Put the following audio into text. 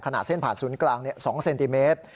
เส้นผ่านศูนย์กลาง๒เซนติเมตร